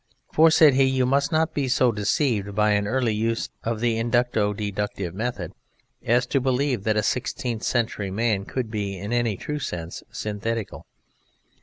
"For," said he, "you must not be so deceived by an early use of the Inducto Deductive method as to believe that a sixteenth century man could be, in any true sense, synthetical."